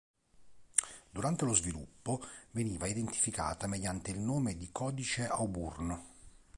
Durante lo sviluppo veniva identificata mediante il nome in codice Auburn.